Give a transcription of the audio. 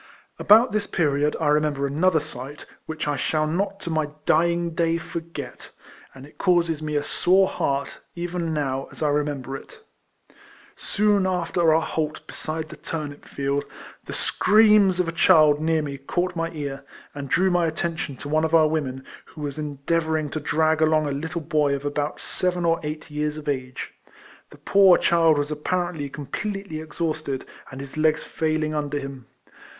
About this period I remember another sight, which I shall not to my dying day forget; and it causes me a sore heart, even now, as I remember it. Soon after our halt beside the turnip field the screams of a child near me caught my ear, and drew my atten tion to one of our women, who was endea vouring to drag along a little boy of about seven or eight years of age. The poor child was apparently completely exhausted, and his legs failing under him.